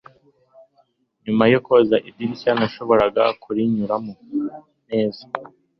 nyuma yo koza idirishya, nashoboraga kuyinyuramo neza